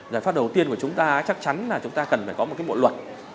giải pháp đầu tiên của chúng ta chắc chắn là chúng ta cần phải có một bộ luật